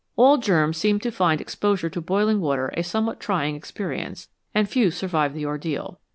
All germs seem to find exposure to boiling water a somewhat trying experience, and few survive the ordeal.